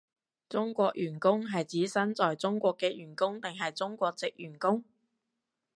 中國員工係指身在中國嘅員工定係中國藉員工？